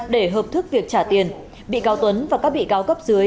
để hợp thức việc trả tiền bị cao tuấn và các bị cao cấp dưới